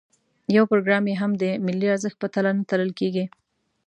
یو پروګرام یې هم د ملي ارزښت په تله نه تلل کېږي.